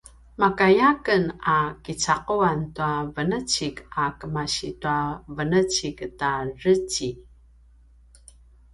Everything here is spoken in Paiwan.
makaya aken a kica’uan tua venecik a kemasi tua venecik ta dreci